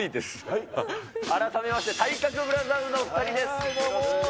改めまして、体格ブラザーズの２どうも。